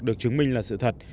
được chứng minh là sự thật